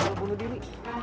belum bunuh diri